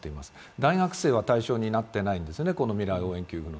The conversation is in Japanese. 大学生は対象になっていないんですね、未来応援給付は。